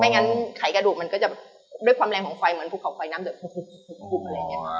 ไม่งั้นไข่กระดูกมันก็จะด้วยความแรงของไข่เหมือนภูเขาไข่น้ำเดิม